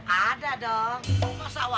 ini debet jugaona